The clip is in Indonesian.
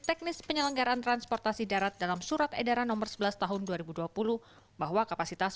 teknis penyelenggaraan transportasi darat dalam surat edaran nomor sebelas tahun dua ribu dua puluh bahwa kapasitas